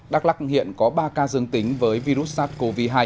đắk lắc hiện có ba ca dương tính với virus sars cov hai